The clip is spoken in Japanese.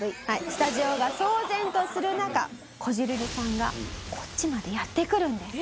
スタジオが騒然とする中こじるりさんがこっちまでやって来るんです。